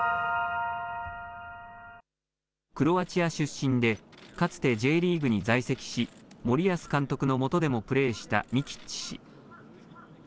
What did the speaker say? クロアチア出身で、かつてＪリーグに在籍し、森保監督の下でもプレーしたミキッチ氏。